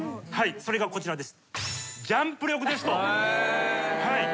それがこちらです。